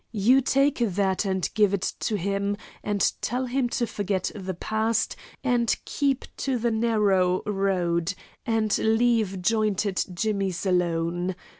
You take that and give it to him, and tell him to forget the past, and keep to the narrow road, and leave jointed jimmies alone.